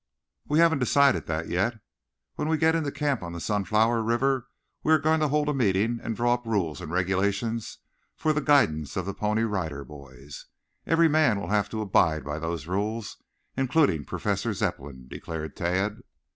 "We haven't decided that yet. When we get into camp on the Sunflower River we are going to hold a meeting and draw up rules and regulations for the guidance of the Pony Rider Boys. Every man will have to abide by those rules, including Professor Zepplin," declared Tad.